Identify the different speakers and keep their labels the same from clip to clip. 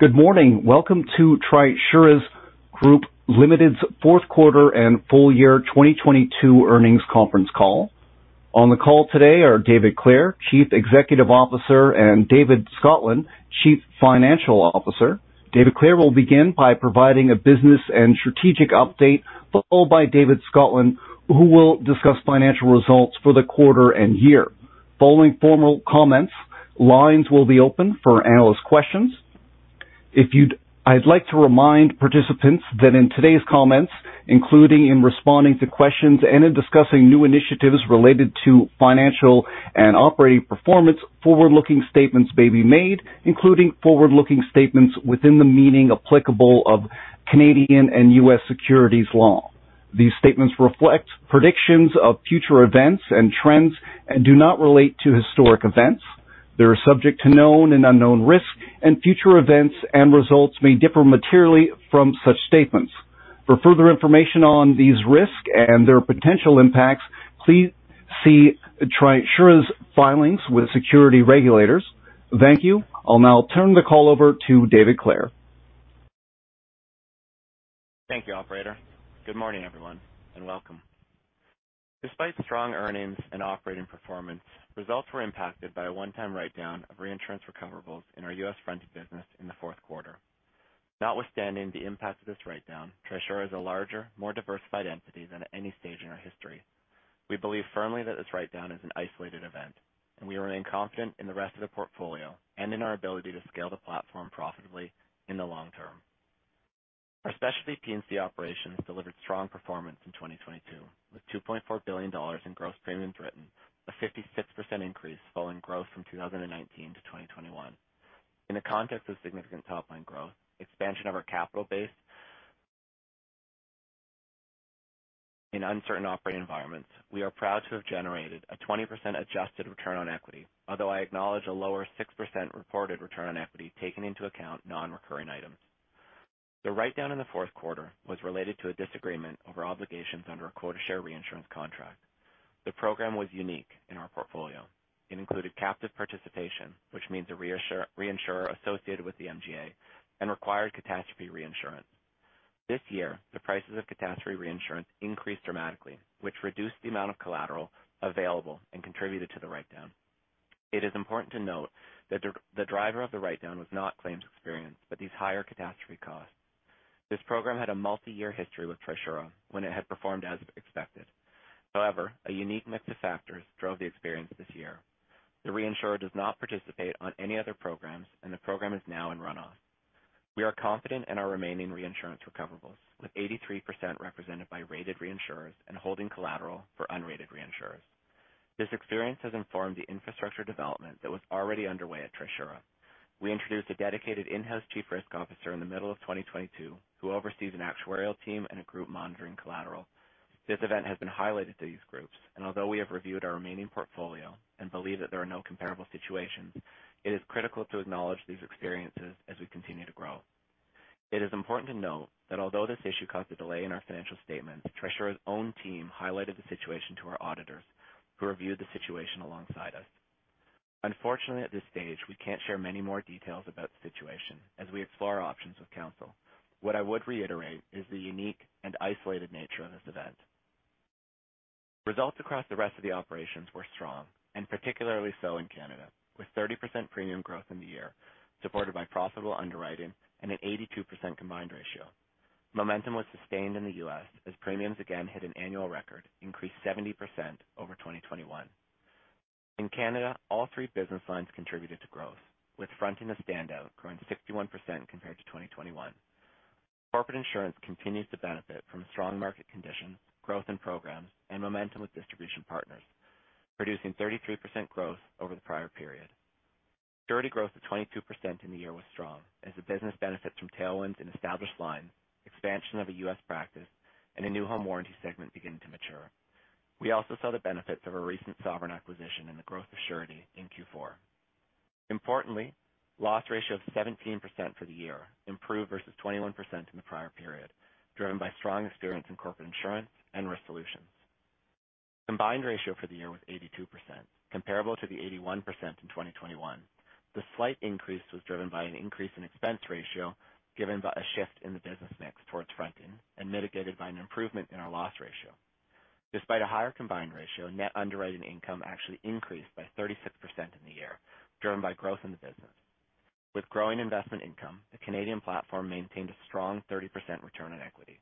Speaker 1: Good morning. Welcome to Trisura Group Ltd.'s Q4 and full year 2022 Earnings Conference Call. On the call today are David Clare, Chief Executive Officer, and David Scotland, Chief Financial Officer. David Clare will begin by providing a business and strategic update, followed by David Scotland, who will discuss financial results for the quarter and year. Following formal comments, lines will be open for analyst questions. I'd like to remind participants that in today's comments, including in responding to questions and in discussing new initiatives related to financial and operating performance, forward-looking statements may be made, including forward-looking statements within the meaning applicable of Canadian and U.S. securities law. These statements reflect predictions of future events and trends and do not relate to historic events. Future events and results may differ materially from such statements. For further information on these risks and their potential impacts, please see Trisura's filings with security regulators. Thank you. I'll now turn the call over to David Clare.
Speaker 2: Thank you, operator. Good morning, everyone, and welcome. Despite strong earnings and operating performance, results were impacted by a one-time write-down of reinsurance recoverables in our U.S. fronting business in the Q4. Notwithstanding the impact of this write-down, Trisura is a larger, more diversified entity than at any stage in our history. We believe firmly that this write-down is an isolated event, and we remain confident in the rest of the portfolio and in our ability to scale the platform profitably in the long term. Our specialty P&C operations delivered strong performance in 2022, with 2.4 billion dollars in gross premiums written, a 56% increase following growth from 2019 to 2021. In the context of significant top line growth, expansion of our capital base in uncertain operating environments, we are proud to have generated a 20% adjusted return on equity. Although I acknowledge a lower 6% reported return on equity taken into account non-recurring items. The write-down in the Q4 was related to a disagreement over obligations under a quota share reinsurance contract. The program was unique in our portfolio. It included captive participation, which means a reinsurer associated with the MGA and required catastrophe reinsurance. This year, the prices of catastrophe reinsurance increased dramatically, which reduced the amount of collateral available and contributed to the write-down. It is important to note that the driver of the write-down was not claims experience, but these higher catastrophe costs. This program had a multi-year history with Trisura when it had performed as expected. However, a unique mix of factors drove the experience this year. The reinsurer does not participate on any other programs, and the program is now in runoff. We are confident in our remaining reinsurance recoverables, with 83% represented by rated reinsurers and holding collateral for unrated reinsurers. This experience has informed the infrastructure development that was already underway at Trisura. We introduced a dedicated in-house chief risk officer in the middle of 2022, who oversees an actuarial team and a group monitoring collateral. This event has been highlighted to these groups, and although we have reviewed our remaining portfolio and believe that there are no comparable situations, it is critical to acknowledge these experiences as we continue to grow. It is important to note that although this issue caused a delay in our financial statements, Trisura's own team highlighted the situation to our auditors, who reviewed the situation alongside us. Unfortunately, at this stage, we can't share many more details about the situation as we explore options with counsel. What I would reiterate is the unique and isolated nature of this event. Results across the rest of the operations were strong, and particularly so in Canada, with 30% premium growth in the year, supported by profitable underwriting and an 82% combined ratio. Momentum was sustained in the U.S. as premiums again hit an annual record, increased 70% over 2021. In Canada, all three business lines contributed to growth, with fronting a standout, growing 61% compared to 2021. corporate insurance continues to benefit from strong market conditions, growth in programs, and momentum with distribution partners, producing 33% growth over the prior period. Surety growth of 22% in the year was strong as the business benefits from tailwinds in established lines, expansion of a U.S. practice, and a new home warranty segment beginning to mature. We also saw the benefits of a recent Sovereign acquisition in the growth of surety in Q4. Importantly, loss ratio of 17% for the year improved versus 21% in the prior period, driven by strong experience in corporate insurance and risk solutions. Combined ratio for the year was 82%, comparable to the 81% in 2021. The slight increase was driven by an increase in expense ratio, given by a shift in the business mix towards fronting and mitigated by an improvement in our loss ratio. Despite a higher combined ratio, net underwriting income actually increased by 36% in the year, driven by growth in the business. With growing investment income, the Canadian platform maintained a strong 30% return on equity.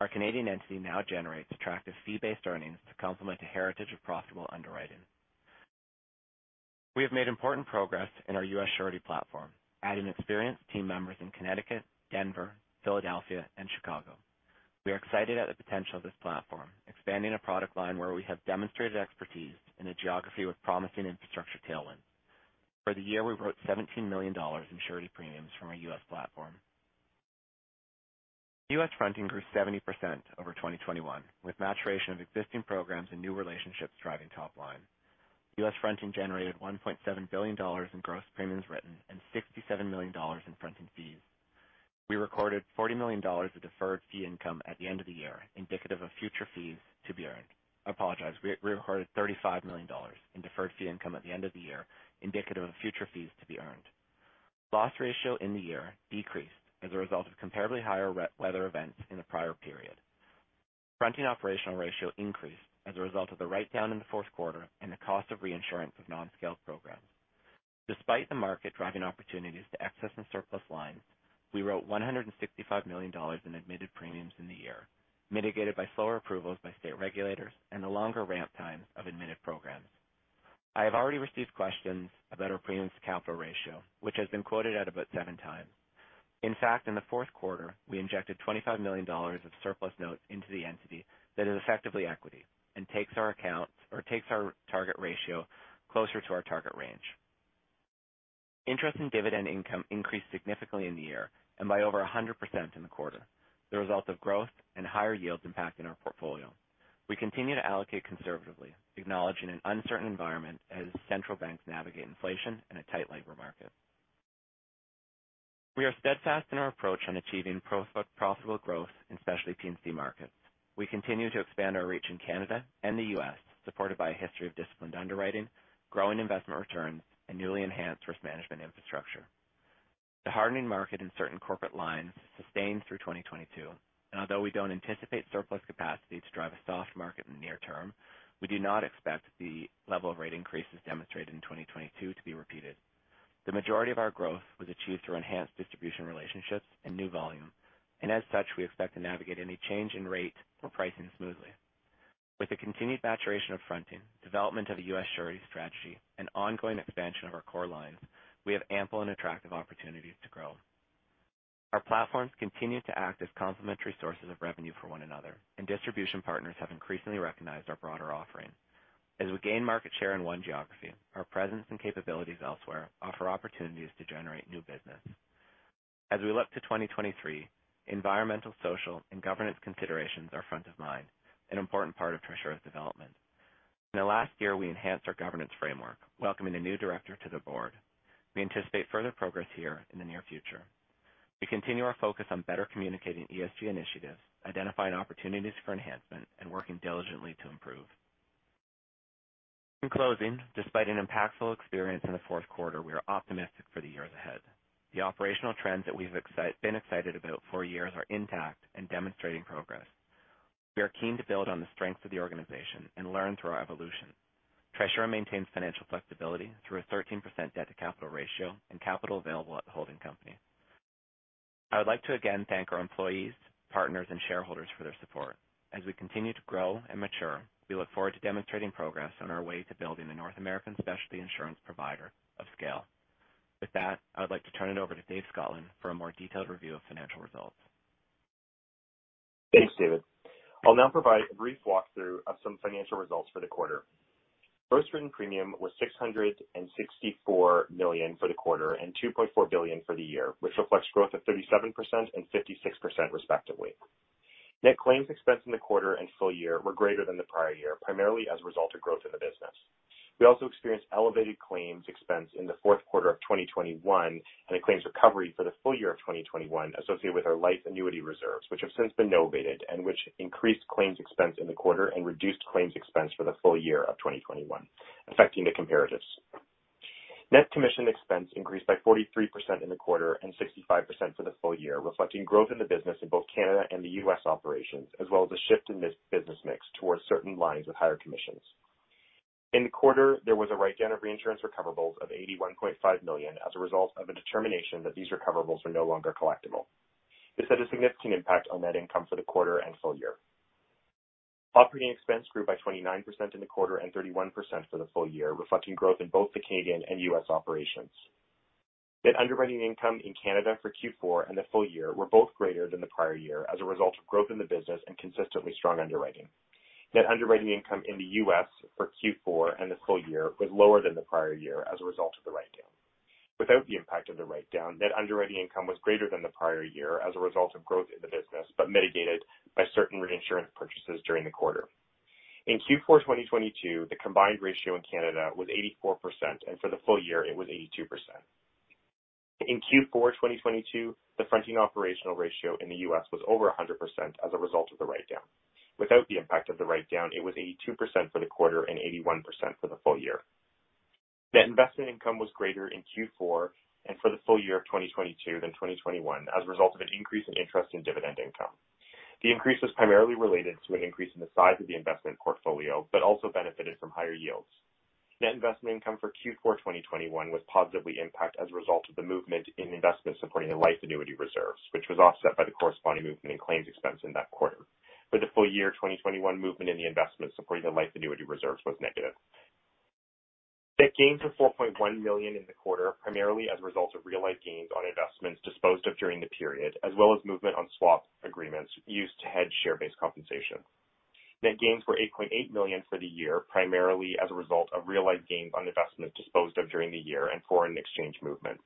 Speaker 2: Our Canadian entity now generates attractive fee-based earnings to complement the heritage of profitable underwriting. We have made important progress in our U.S. surety platform, adding experienced team members in Connecticut, Denver, Philadelphia, and Chicago. We are excited at the potential of this platform, expanding a product line where we have demonstrated expertise in a geography with promising infrastructure tailwinds. For the year, we wrote $17 million in surety premiums from our U.S. platform. U.S. Fronting grew 70% over 2021, with maturation of existing programs and new relationships driving top line. U.S. fronting generated $1.7 billion in gross premiums written and $67 million in fronting fees. We recorded $40 million of deferred fee income at the end of the year, indicative of future fees to be earned. I apologize. We recorded $35 million in deferred fee income at the end of the year, indicative of future fees to be earned. Loss ratio in the year decreased as a result of comparably higher weather events in the prior period. Fronting operational ratio increased as a result of the write-down in the Q4 and the cost of reinsurance of non-scale programs. Despite the market driving opportunities to excess and surplus lines, we wrote $165 million in admitted premiums in the year, mitigated by slower approvals by state regulators and the longer ramp time of admitted programs. I have already received questions about our premiums capital ratio, which has been quoted at about seven times. In fact, in the Q4, we injected $25 million of surplus notes into the entity that is effectively equity and takes our target ratio closer to our target range. Interest in dividend income increased significantly in the year and by over 100% in the quarter, the result of growth and higher yields impacting our portfolio. We continue to allocate conservatively, acknowledging an uncertain environment as central banks navigate inflation in a tight labor market. We are steadfast in our approach on achieving pro-profitable growth in specialty P&C markets. We continue to expand our reach in Canada and the U.S., supported by a history of disciplined underwriting, growing investment returns, and newly enhanced risk management infrastructure. The hardening market in certain corporate lines sustained through 2022, and although we don't anticipate surplus capacity to drive a soft market in the near term, we do not expect the level of rate increases demonstrated in 2022 to be repeated. The majority of our growth was achieved through enhanced distribution relationships and new volume, as such, we expect to navigate any change in rate or pricing smoothly. With the continued maturation of fronting, development of a U.S. surety strategy, and ongoing expansion of our core lines, we have ample and attractive opportunities to grow. Our platforms continue to act as complementary sources of revenue for one another, distribution partners have increasingly recognized our broader offering. As we gain market share in one geography, our presence and capabilities elsewhere offer opportunities to generate new business. As we look to 2023, environmental, social, and governance considerations are front of mind, an important part of Trisura's development. In the last year, we enhanced our governance framework, welcoming a new director to the board. We anticipate further progress here in the near future. We continue our focus on better communicating ESG initiatives, identifying opportunities for enhancement, and working diligently to improve. In closing, despite an impactful experience in the Q4, we are optimistic for the years ahead. The operational trends that we've been excited about for years are intact and demonstrating progress. We are keen to build on the strengths of the organization and learn through our evolution. Trisura maintains financial flexibility through a 13% debt to capital ratio and capital available at the holding company. I would like to again thank our employees, partners, and shareholders for their support. As we continue to grow and mature, we look forward to demonstrating progress on our way to building the North American specialty insurance provider of scale. With that, I would like to turn it over to Dave Scotland for a more detailed review of financial results.
Speaker 3: Thanks, David. I'll now provide a brief walkthrough of some financial results for the quarter. Gross written premium was 664 million for the quarter and 2.4 billion for the year, which reflects growth of 37% and 56% respectively. Net claims expense in the quarter and full year were greater than the prior year, primarily as a result of growth in the business. We also experienced elevated claims expense in the Q4 of 2021 and a claims recovery for the full year of 2021 associated with our life annuity reserves, which have since been novated and which increased claims expense in the quarter and reduced claims expense for the full year of 2021, affecting the comparatives. Net commission expense increased by 43% in the quarter and 65% for the full year, reflecting growth in the business in both Canada and the U.S. operations, as well as a shift in this business mix towards certain lines with higher commissions. In the quarter, there was a write-down of reinsurance recoverables of $81.5 million as a result of a determination that these recoverables were no longer collectible. This had a significant impact on net income for the quarter and full year. Operating expense grew by 29% in the quarter and 31% for the full year, reflecting growth in both the Canadian and U.S. Operations. Net underwriting income in Canada for Q4 and the full year were both greater than the prior year as a result of growth in the business and consistently strong underwriting. Net underwriting income in the U.S. for Q4 and the full year was lower than the prior year as a result of the write-down. Without the impact of the write-down, net underwriting income was greater than the prior year as a result of growth in the business, but mitigated by certain reinsurance purchases during the quarter. In Q4 of 2022, the combined ratio in Canada was 84%, and for the full year, it was 82%. In Q4 of 2022, the fronting operational ratio in the U.S. was over 100% as a result of the write-down. Without the impact of the write-down, it was 82% for the quarter and 81% for the full year. Net investment income was greater in Q4 and for the full year of 2022 than 2021 as a result of an increase in interest in dividend income. The increase was primarily related to an increase in the size of the investment portfolio, but also benefited from higher yields. Net investment income for Q4 of 2021 was positively impacted as a result of the movement in investments supporting the life annuity reserves, which was offset by the corresponding movement in claims expense in that quarter. For the full year of 2021, movement in the investment supporting the life annuity reserves was negative. Net gains of 4.1 million in the quarter, primarily as a result of realized gains on investments disposed of during the period, as well as movement on swap agreements used to hedge share-based compensation. Net gains were 8.8 million for the year, primarily as a result of realized gains on investments disposed of during the year and foreign exchange movement.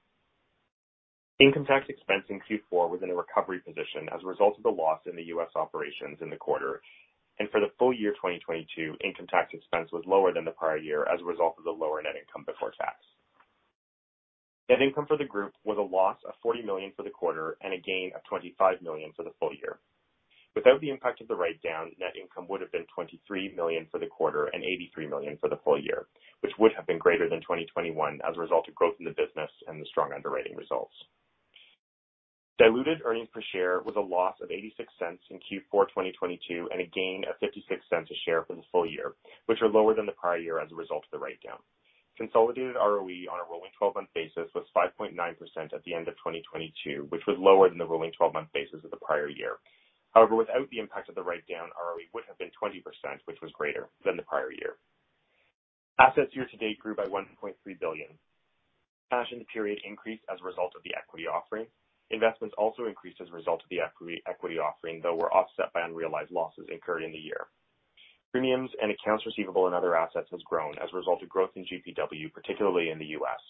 Speaker 3: Income tax expense in Q4 was in a recovery position as a result of the loss in the U.S. operations in the quarter. For the full year of 2022, income tax expense was lower than the prior year as a result of the lower net income before tax. Net income for the group was a loss of 40 million for the quarter and a gain of 25 million for the full year. Without the impact of the write-down, net income would have been 23 million for the quarter and 83 million for the full year, which would have been greater than 2021 as a result of growth in the business and the strong underwriting results. Diluted earnings per share was a loss of 0.86 in Q4 2022, and a gain of 0.56 a share for the full year, which are lower than the prior year as a result of the write-down. Consolidated ROE on a rolling 12-month basis was 5.9% at the end of 2022, which was lower than the rolling 12-month basis of the prior year. Without the impact of the write-down, ROE would have been 20%, which was greater than the prior year. Assets year to date grew by 1.3 billion. Cash in the period increased as a result of the equity offering. Investments also increased as a result of the equity offering, though were offset by unrealized losses incurred in the year. Premiums and accounts receivable and other assets has grown as a result of growth in GPW, particularly in the U.S..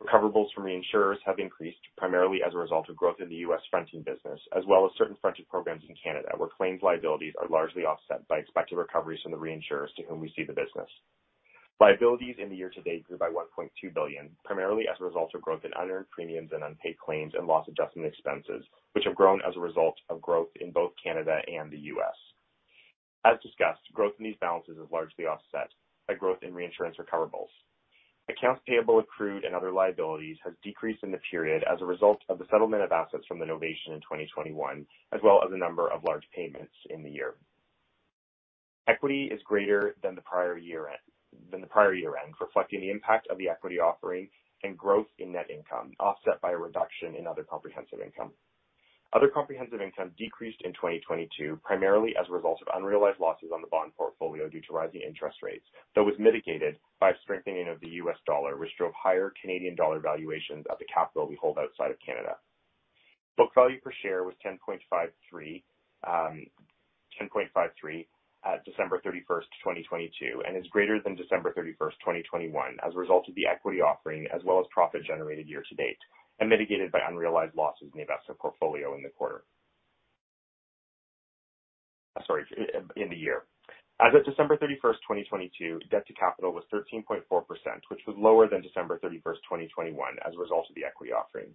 Speaker 3: Recoverables from reinsurers have increased primarily as a result of growth in the U.S. fronting business, as well as certain fronting programs in Canada, where claims liabilities are largely offset by expected recoveries from the reinsurers to whom we cede the business. Liabilities in the year-to-date grew by 1.2 billion, primarily as a result of growth in unearned premiums and unpaid claims and loss adjustment expenses, which have grown as a result of growth in both Canada and the U.S.. As discussed, growth in these balances is largely offset by growth in reinsurance recoverables. Accounts payable, accrued, and other liabilities has decreased in the period as a result of the settlement of assets from the novation in 2021, as well as a number of large payments in the year. Equity is greater than the prior year end, reflecting the impact of the equity offering and growth in net income, offset by a reduction in other comprehensive income. Other comprehensive income decreased in 2022, primarily as a result of unrealized losses on the bond portfolio due to rising interest rates. That was mitigated by a strengthening of the U.S. dollar, which drove higher Canadian dollar valuations of the capital we hold outside of Canada. Book value per share was 10.53 at 31 December, 2022, and is greater than 31 December, 2021 as a result of the equity offering as well as profit generated year-to-date, and mitigated by unrealized losses in the investment portfolio in the quarter. Sorry, in the year. As of 31 December, 2022, debt to capital was 13.4%, which was lower than 31 December, 2021 as a result of the equity offering.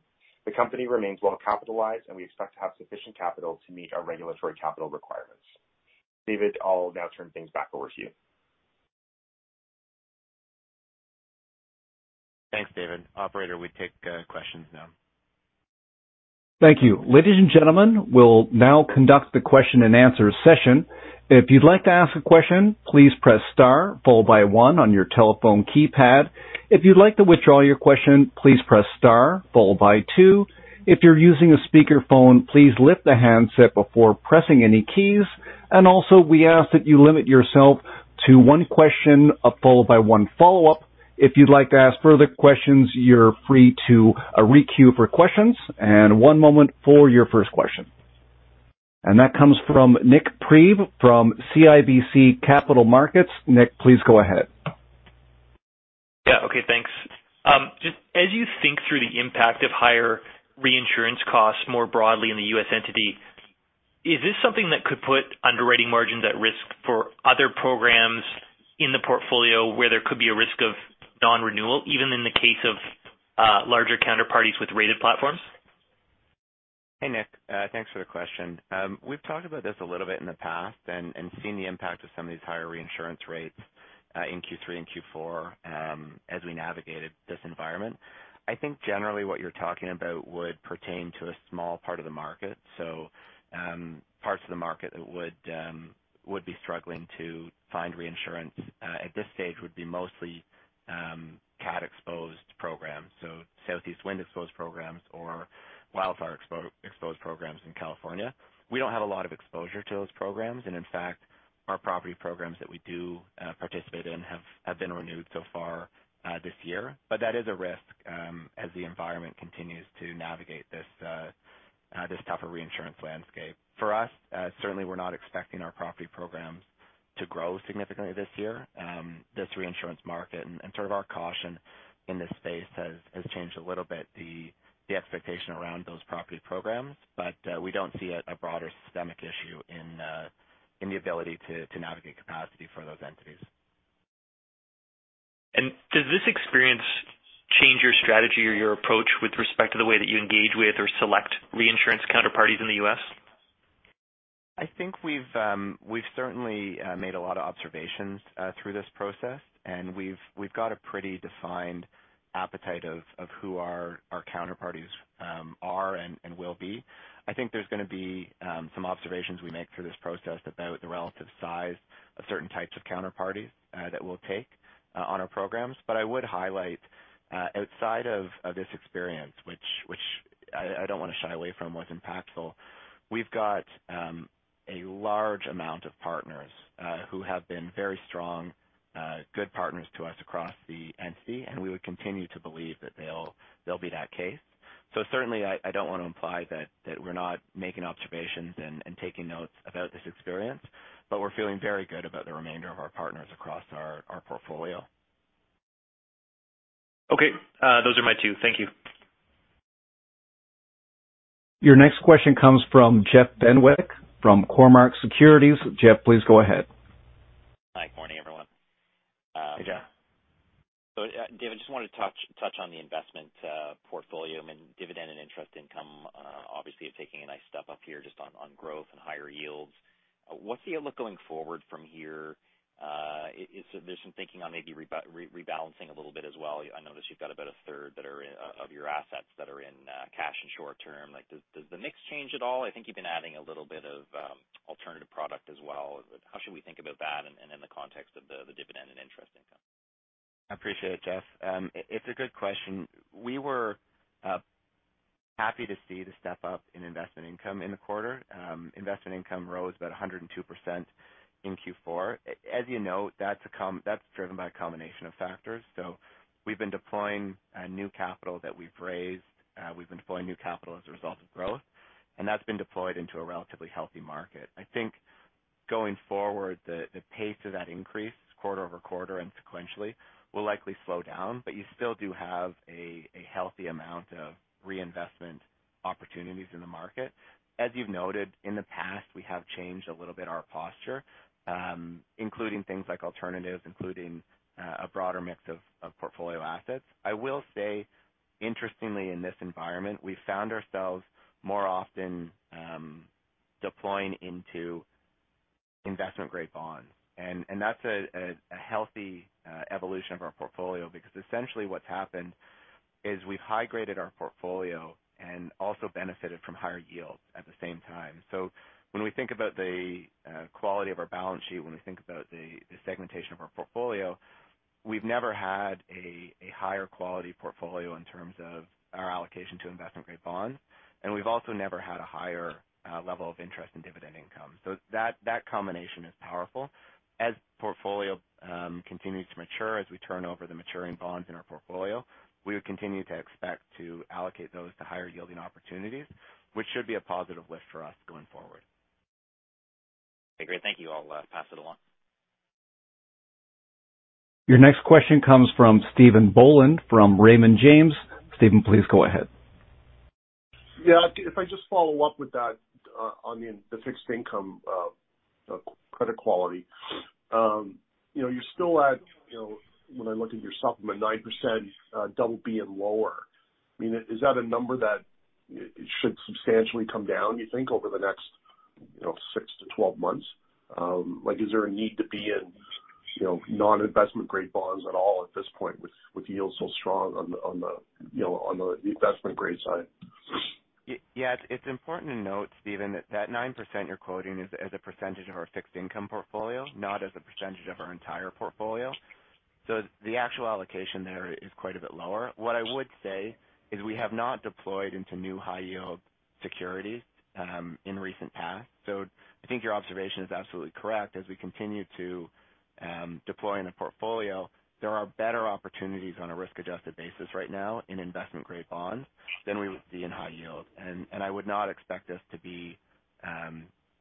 Speaker 3: The company remains well capitalized, and we expect to have sufficient capital to meet our regulatory capital requirements. David, I'll now turn things back over to you.
Speaker 2: Thanks, David. Operator, we take questions now.
Speaker 1: Thank you. Ladies and gentlemen, we'll now conduct the question and answer session. If you'd like to ask a question, please press star followed by one on your telephone keypad. If you'd like to withdraw your question, please press star followed by two. If you're using a speakerphone, please lift the handset before pressing any keys. We ask that you limit yourself to one question, followed by one follow-up. If you'd like to ask further questions, you're free to re-queue for questions. One moment for your first question. That comes from Nik Priebe from CIBC Capital Markets. Nik, please go ahead.
Speaker 4: Yeah. Okay, thanks. Just as you think through the impact of higher reinsurance costs more broadly in the U.S. entity, is this something that could put underwriting margins at risk for other programs in the portfolio where there could be a risk of non-renewal, even in the case of larger counterparties with rated platforms?
Speaker 2: Hey, Nik. Thanks for the question. We've talked about this a little bit in the past and seen the impact of some of these higher reinsurance rates in Q3 and Q4 as we navigated this environment. I think generally what you're talking about would pertain to a small part of the market. Parts of the market that would be struggling to find reinsurance at this stage would be mostly cat-exposed programs, so southeast wind-exposed programs or wildfire exposed programs in California. We don't have a lot of exposure to those programs, and in fact, our property programs that we do participate in have been renewed so far this year. That is a risk as the environment continues to navigate this tougher reinsurance landscape. For us, certainly we're not expecting our property programs to grow significantly this year. This reinsurance market and sort of our caution in this space has changed a little bit the expectation around those property programs. We don't see a broader systemic issue in the ability to navigate capacity for those entities.
Speaker 4: Does this experience change your strategy or your approach with respect to the way that you engage with or select reinsurance counterparties in the U.S.?
Speaker 2: I think we've certainly made a lot of observations through this process, and we've got a pretty defined appetite of who our counterparties are and will be. I think there's gonna be some observations we make through this process about the relative size of certain types of counterparties that we'll take on our programs. I would highlight, outside of this experience, which I don't wanna shy away from, was impactful. We've got a large amount of partners who have been very strong, good partners to us across the entity, and we would continue to believe that they'll be that case. Certainly I don't wanna imply that we're not making observations and taking notes about this experience, but we're feeling very good about the remainder of our partners across our portfolio.
Speaker 4: Okay. Those are my two. Thank you.
Speaker 1: Your next question comes from Jeff Fenwick from Cormark Securities. Jeff, please go ahead.
Speaker 5: Hi, good morning, everyone.
Speaker 1: Hey, Jeff.
Speaker 2: David, just wanted to touch on the investment portfolio. I mean, dividend and interest income obviously is taking a nice step up here just on growth and higher yields. What's the outlook going forward from here? Is there some thinking on maybe rebalancing a little bit as well? I notice you've got about a third of your assets that are in cash and short term. Like, does the mix change at all? I think you've been adding a little bit of alternative product as well. How should we think about that in the context of the dividend and interest income? I appreciate it, Jeff. It's a good question. We were happy to see the step up in investment income in the quarter. Investment income rose about 102% in Q4. As you know, that's driven by a combination of factors. We've been deploying new capital that we've raised. We've been deploying new capital as a result of growth, and that's been deployed into a relatively healthy market. I think going forward, the pace of that increase quarter-over-quarter and sequentially will likely slow down, but you still do have a healthy amount of reinvestment opportunities in the market. As you've noted, in the past, we have changed a little bit our posture, including things like alternatives, including a broader mix of portfolio assets. I will say, interestingly, in this environment, we found ourselves more often, deploying into investment-grade bonds. That's a healthy evolution of our portfolio because essentially what's happened is we've high-graded our portfolio and also benefited from higher yields at the same time. When we think about the quality of our balance sheet, when we think about the segmentation of our portfolio, we've never had a higher quality portfolio in terms of our allocation to investment-grade bonds, and we've also never had a higher level of interest in dividend income. That, that combination is powerful. As portfolio continues to mature, as we turn over the maturing bonds in our portfolio, we would continue to expect to allocate those to higher yielding opportunities, which should be a positive lift for us going forward.
Speaker 5: Okay, great. Thank you. I'll pass it along.
Speaker 1: Your next question comes from Stephen Boland from Raymond James. Stephen, please go ahead.
Speaker 6: If I just follow up with that, on the fixed income, credit quality. You know, you're still at, you know, when I look at your supplement, 9%, BB and lower. I mean, is that a number that should substantially come down, you think, over the next, you know, six to 12 months? Like, is there a need to be in, you know, non-investment grade bonds at all at this point with yields so strong on the, on the, you know, on the investment grade side?
Speaker 2: Yeah. It's important to note, Stephen, that that 9% you're quoting is as a percentage of our fixed income portfolio, not as a percentage of our entire portfolio. The actual allocation there is quite a bit lower. What I would say is we have not deployed into new high yield securities in recent past. I think your observation is absolutely correct. As we continue to deploy in the portfolio, there are better opportunities on a risk-adjusted basis right now in investment-grade bonds than we would see in high yield. I would not expect us to be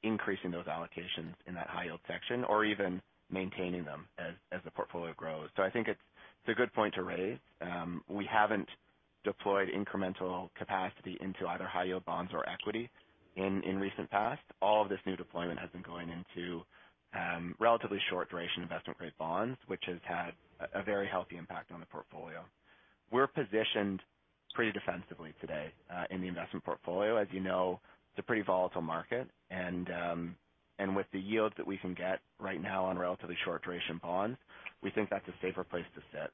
Speaker 2: increasing those allocations in that high yield section or even maintaining them as the portfolio grows. I think it's a good point to raise. We haven't deployed incremental capacity into either high yield bonds or equity in recent past. All of this new deployment has been going into relatively short duration investment-grade bonds, which has had a very healthy impact on the portfolio. We're positioned pretty defensively today in the investment portfolio. As you know, it's a pretty volatile market and with the yields that we can get right now on relatively short duration bonds, we think that's a safer place to sit.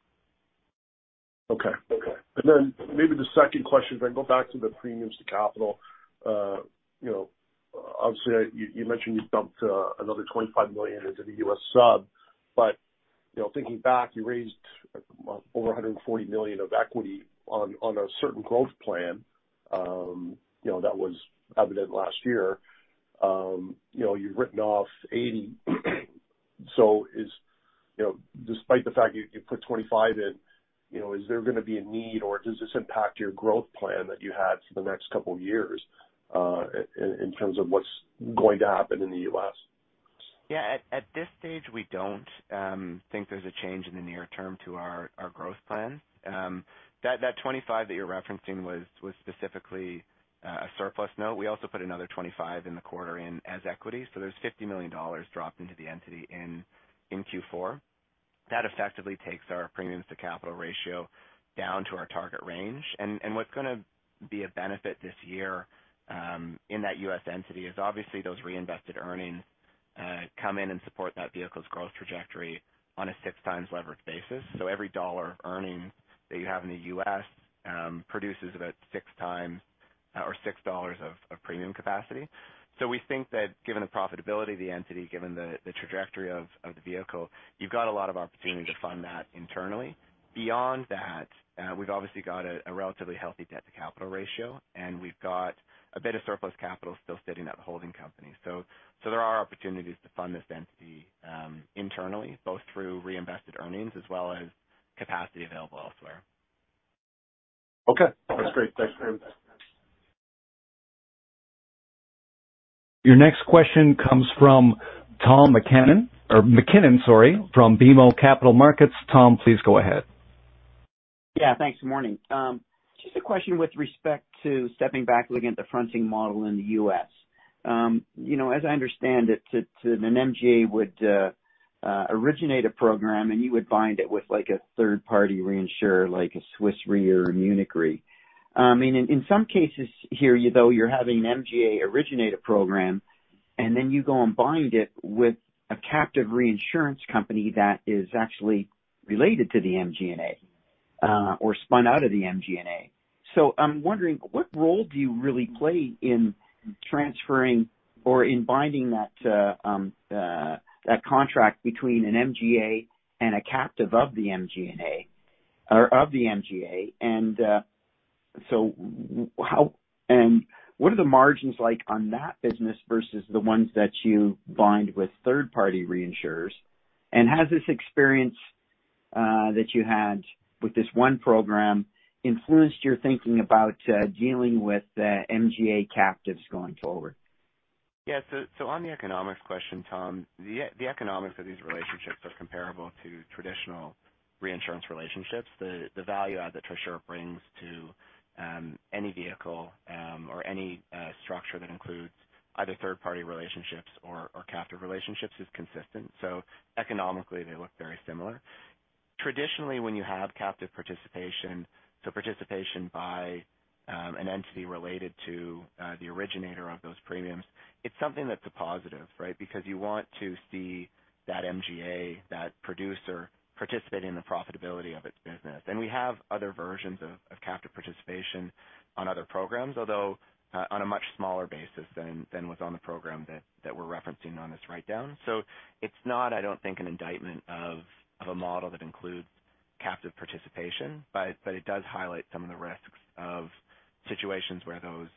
Speaker 6: Okay. Okay. Maybe the second question, if I can go back to the premiums to capital. You know, obviously you mentioned you dumped another $25 million into the U.S. sub, but, you know, thinking back, you raised over $140 million of equity on a certain growth plan, you know, that was evident last year. You know, you've written off $80. You know, despite the fact you put $25 in, you know, is there gonna be a need or does this impact your growth plan that you had for the next couple of years, in terms of what's going to happen in the U.S.?
Speaker 2: Yeah. At this stage we don't think there's a change in the near term to our growth plan. That 25 that you're referencing was specifically a surplus note. We also put another 25 in the quarter in as equity. there's $50 million dropped into the entity in Q4. That effectively takes our premiums to capital ratio down to our target range. what's gonna be a benefit this year in that U.S. entity is obviously those reinvested earnings come in and support that vehicle's growth trajectory on a six times leverage basis. every dollar of earning that you have in the U.S. produces about six times or $6 of premium capacity. We think that given the profitability of the entity, given the trajectory of the vehicle, you've got a lot of opportunity to fund that internally. Beyond that, we've obviously got a relatively healthy debt-to-capital ratio, and we've got a bit of surplus capital still sitting at the holding company. There are opportunities to fund this entity internally, both through reinvested earnings as well as capacity available elsewhere.
Speaker 6: That's great. Thanks very much.
Speaker 1: Your next question comes from Tom MacKinnon or MacKinnon, sorry, from BMO Capital Markets. Tom, please go ahead.
Speaker 7: Yeah, thanks. Morning. Just a question with respect to stepping back looking at the fronting model in the U.S. You know, as I understand it an MGA would originate a program, and you would bind it with like a third-party reinsurer, like a Swiss Re or Munich Re. In some cases here, though you're having an MGA originate a program, and then you go and bind it with a captive reinsurance company that is actually related to the MGA, or spun out of the MGA. So I'm wondering, what role do you really play in transferring or in binding that contract between an MGA and a captive of the MGA? What are the margins like on that business versus the ones that you bind with third-party reinsurers? Has this experience that you had with this one program influenced your thinking about dealing with the MGA captives going forward?
Speaker 2: On the economics question, Tom, the economics of these relationships are comparable to traditional reinsurance relationships. The value add that Trisura brings to any vehicle or any structure that includes either third-party relationships or captive relationships is consistent. Economically they look very similar. Traditionally, when you have captive participation, so participation by an entity related to the originator of those premiums, it's something that's a positive, right? Because you want to see that MGA, that producer participate in the profitability of its business. We have other versions of captive participation on other programs, although on a much smaller basis than was on the program that we're referencing on this write down. It's not, I don't think, an indictment of a model that includes captive participation, but it does highlight some of the risks of situations where those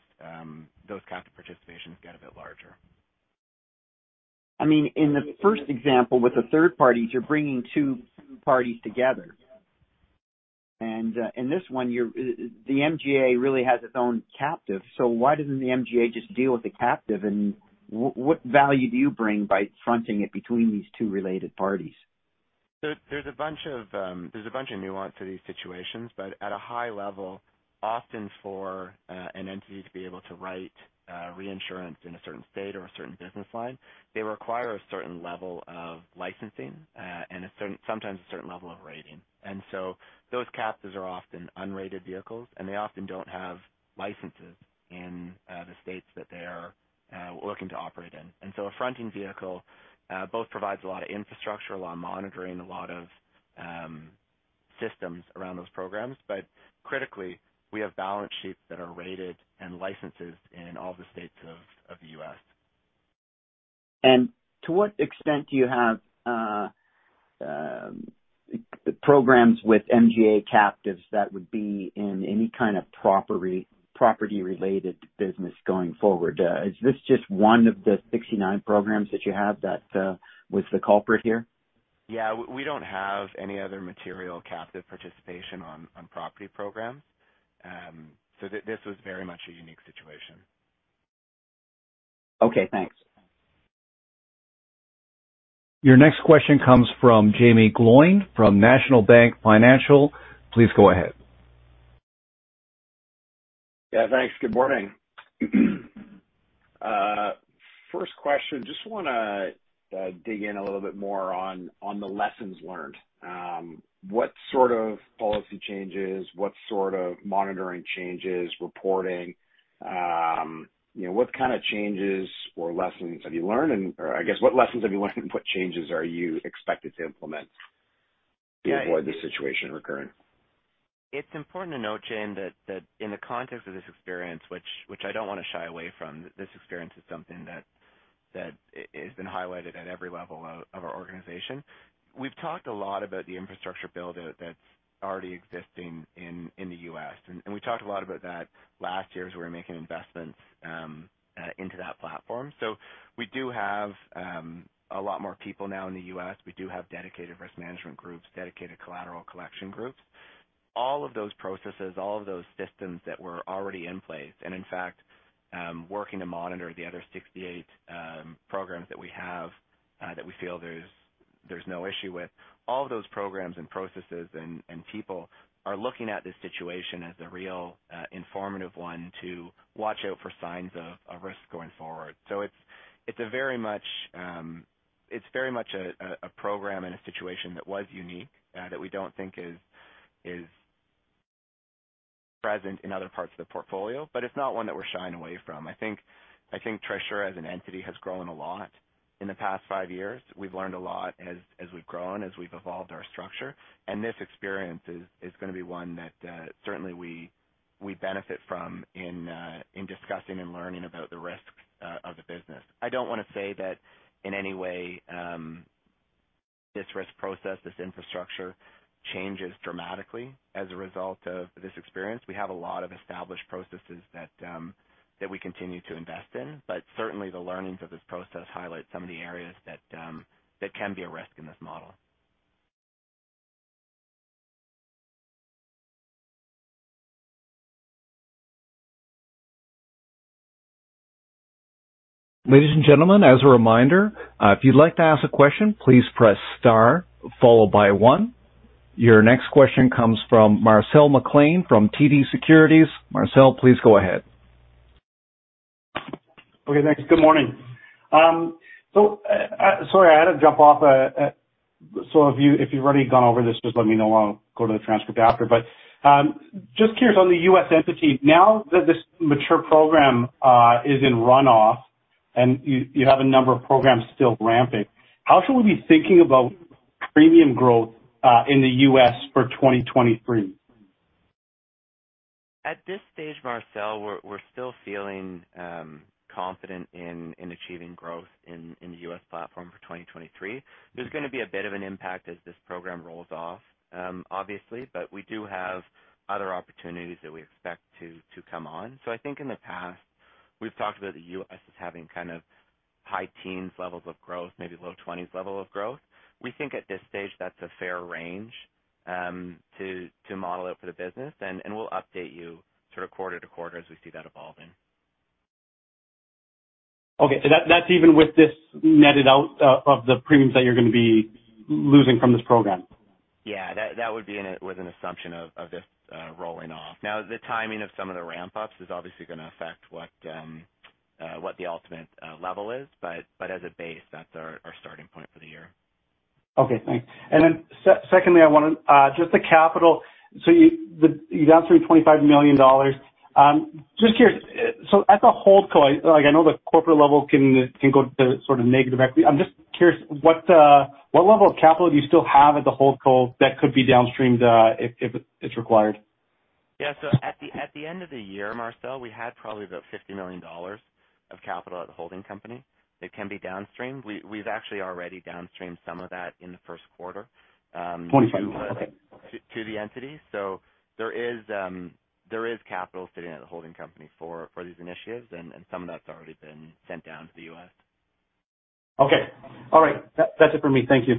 Speaker 2: captive participations get a bit larger.
Speaker 7: I mean, in the first example with the third party, you're bringing two parties together. In this one the MGA really has its own captive, so why doesn't the MGA just deal with the captive? What value do you bring by fronting it between these two related parties?
Speaker 2: There's a bunch of nuance to these situations. At a high level, often for an entity to be able to write reinsurance in a certain state or a certain business line, they require a certain level of licensing, and sometimes a certain level of rating. Those captives are often unrated vehicles, and they often don't have licenses in the states that they are looking to operate in. A fronting vehicle both provides a lot of infrastructure, a lot of monitoring, a lot of systems around those programs. Critically, we have balance sheets that are rated and licenses in all the states of the U.S.
Speaker 7: To what extent do you have programs with MGA captives that would be in any kind of property related business going forward? Is this just one of the 69 programs that you have that was the culprit here?
Speaker 2: Yeah, we don't have any other material captive participation on property programs. This was very much a unique situation.
Speaker 7: Okay, thanks.
Speaker 1: Your next question comes from Jaimee Gloyn, from National Bank Financial. Please go ahead.
Speaker 8: Yeah, thanks. Good morning. First question, just wanna dig in a little bit more on the lessons learned. What sort of policy changes, what sort of monitoring changes, reporting, you know, what kind of changes or lessons have you learned? Or I guess what lessons have you learned and what changes are you expected to implement to avoid this situation recurring?
Speaker 2: It's important to note, Jaimee, that in the context of this experience, which I don't want to shy away from, this experience is something that has been highlighted at every level of our organization. We've talked a lot about the infrastructure build that's already existing in the U.S., and we talked a lot about that last year as we were making investments into that platform. We do have a lot more people now in the U.S.. We do have dedicated risk management groups, dedicated collateral collection groups. All of those processes, all of those systems that were already in place, and in fact, working to monitor the other 68 programs that we have that we feel there's no issue with. All of those programs and processes and people are looking at this situation as a real, informative one to watch out for signs of risk going forward. It's a very much a program and a situation that was unique, that we don't think is present in other parts of the portfolio, but it's not one that we're shying away from. I think Trisura as an entity has grown a lot in the past five years. We've learned a lot as we've grown, as we've evolved our structure. This experience is gonna be one that certainly we benefit from in discussing and learning about the risks of the business. I don't wanna say that in any way, this risk process, this infrastructure changes dramatically as a result of this experience. We have a lot of established processes that we continue to invest in, but certainly the learnings of this process highlight some of the areas that can be a risk in this model.
Speaker 1: Ladies and gentlemen, as a reminder, if you'd like to ask a question, please press star followed by one. Your next question comes from Marcel McLean from TD Securities. Marcel, please go ahead.
Speaker 9: Okay, thanks. Good morning. Sorry, I had to jump off. If you, if you've already gone over this, just let me know. I'll go to the transcript after. Just curious on the U.S. entity. Now that this mature program is in runoff and you have a number of programs still ramping, how should we be thinking about premium growth in the U.S. for 2023?
Speaker 2: At this stage, Marcel McLean, we're still feeling confident in achieving growth in the U.S. platform for 2023. There's gonna be a bit of an impact as this program rolls off, obviously. We do have other opportunities that we expect to come on. I think in the past we've talked about the U.S. as having kind of high teens levels of growth, maybe low twenties level of growth. We think at this stage that's a fair range to model it for the business and we'll update you sort of quarter to quarter as we see that evolving.
Speaker 9: Okay. that's even with this netted out of the premiums that you're gonna be losing from this program?
Speaker 2: Yeah, that would be with an assumption of this rolling off. The timing of some of the ramp ups is obviously gonna affect what the ultimate level is, but as a base, that's our starting point for the year.
Speaker 9: Okay, thanks. Secondly, I wondered, just the capital. You downstreamed 25 million dollars. Just curious, at the holdco, like I know the corporate level can go to sort of negative equity. I'm just curious, what level of capital do you still have at the holdco that could be down streamed if it's required?
Speaker 2: Yeah. At the end of the year, Marcel McLean, we had probably about 50 million dollars of capital at the holding company that can be down streamed. We've actually already down streamed some of that in the first quarter.
Speaker 9: CAD 25 million. Okay.
Speaker 2: To the entity. There is capital sitting at the holding company for these initiatives and some of that's already been sent down to the U.S..
Speaker 9: Okay. All right. That's it for me. Thank you.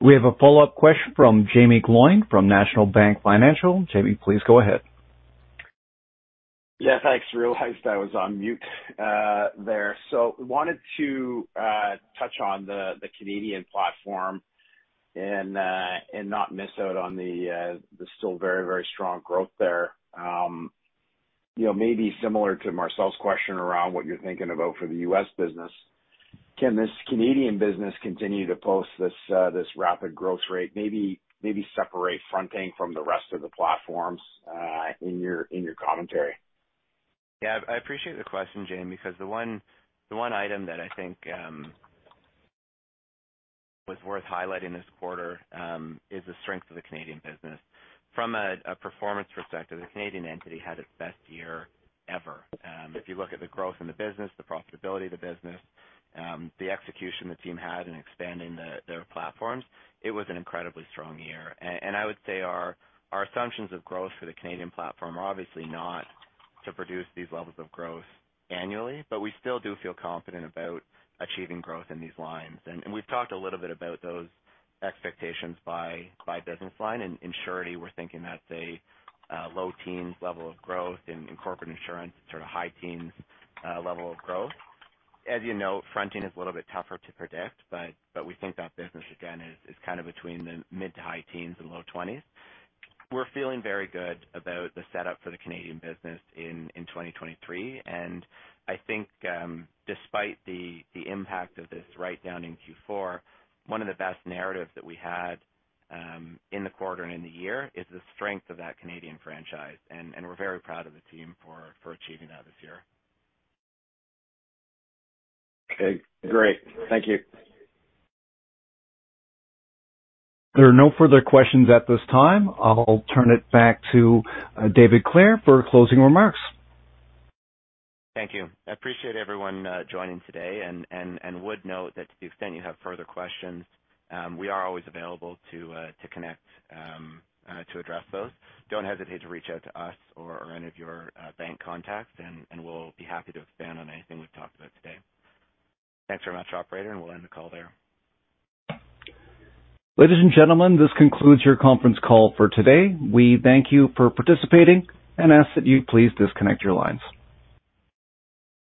Speaker 1: We have a follow-up question from Jaimee Gloyn from National Bank Financial. Jaimee, please go ahead.
Speaker 8: Yeah, thanks. Realized I was on mute there. Wanted to touch on the Canadian platform and not miss out on the still very, very strong growth there. You know, maybe similar to Marcel's question around what you're thinking about for the U.S. business. Can this Canadian business continue to post this rapid growth rate? Maybe separate fronting from the rest of the platforms in your commentary.
Speaker 2: Yeah. I appreciate the question, Jaimee, because the one item that I think was worth highlighting this quarter is the strength of the Canadian business. From a performance perspective, the Canadian entity had its best year ever. If you look at the growth in the business, the profitability of the business, the execution the team had in expanding their platforms, it was an incredibly strong year. I would say our assumptions of growth for the Canadian platform are obviously not to produce these levels of growth annually, but we still do feel confident about achieving growth in these lines. We've talked a little bit about those expectations by business line. In surety, we're thinking that's a low teens level of growth. In corporate insurance, sort of high teens level of growth. As you know, fronting is a little bit tougher to predict, but we think that business again is kind of between the mid-to-high teens and low 20s. We're feeling very good about the setup for the Canadian business in 2023. I think, despite the impact of this write down in Q4, one of the best narratives that we had in the quarter and in the year is the strength of that Canadian franchise. We're very proud of the team for achieving that this year.
Speaker 8: Okay, great. Thank you.
Speaker 1: There are no further questions at this time. I'll turn it back to David Clare for closing remarks.
Speaker 2: Thank you. I appreciate everyone joining today and would note that to the extent you have further questions, we are always available to connect to address those. Don't hesitate to reach out to us or any of your bank contacts, and we'll be happy to expand on anything we've talked about today. Thanks very much, operator, and we'll end the call there.
Speaker 1: Ladies and gentlemen, this concludes your conference call for today. We thank you for participating and ask that you please disconnect your lines.